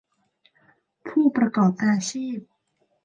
ผู้ประกอบอาชีพ